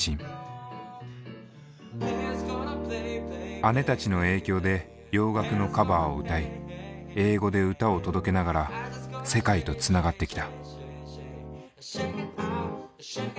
姉たちの影響で洋楽のカバーを歌い英語で歌を届けながら世界とつながってきた。